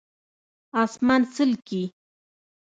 🦇 اسمان څلکي